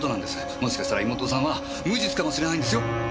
もしかしたら妹さんは無実かもしれないんですよ。